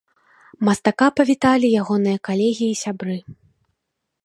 Мастака павіталі ягоныя калегі і сябры.